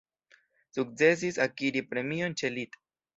Sukcesis akiri premion ĉe lit.